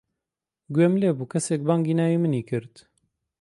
گوێم لێ بوو کەسێک بانگی ناوی منی کرد.